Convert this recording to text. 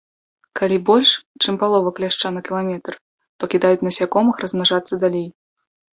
Калі больш, чым палова кляшча на кіламетр, пакідаюць насякомых размнажацца далей.